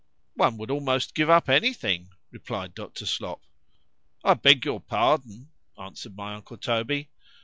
——One would almost give up any thing, replied Dr. Slop.—I beg your pardon,——answered my uncle _Toby.